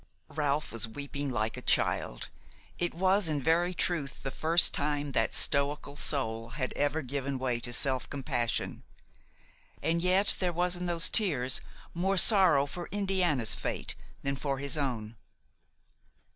Ralph was weeping like a child. It was in very truth the first time that stoical soul had ever given way to self compassion; and yet there was in those tears more sorrow for Indiana's fate than for his own.